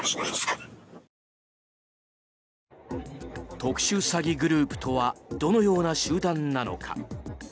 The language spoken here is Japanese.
特殊詐欺グループとはどのような集団なのか。